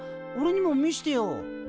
おれにも見してよ。